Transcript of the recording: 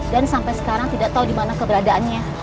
dan sampai sekarang tidak tau dimana keberadaannya